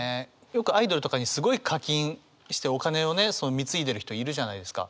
よくアイドルとかにすごい課金してお金を貢いでる人いるじゃないですか。